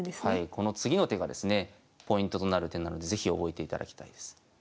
この次の手がですねポイントとなる手なので是非覚えていただきたいです。